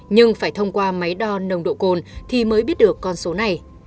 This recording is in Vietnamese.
nhưng phải thông qua máy đo nồng độ cồn thì mới biết được con số này